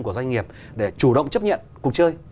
của doanh nghiệp để chủ động chấp nhận cuộc chơi